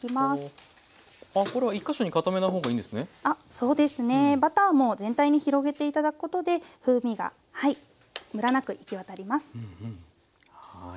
そうですねバターも全体に広げて頂くことで風味がはいムラなく行き渡ります。